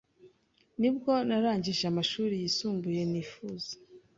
nibwo narangije amashuri yisumbuye nifuza